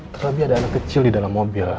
terlebih ada anak kecil di dalam mobil